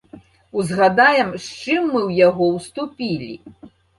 Узгадаем, з чым мы ў яго ўступілі.